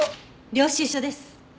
領収書です。